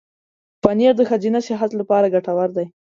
پنېر د ښځینه صحت لپاره ګټور دی.